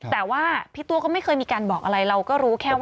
แต่ว่าพี่ตัวก็ไม่เคยมีการบอกอะไรเราก็รู้แค่ว่า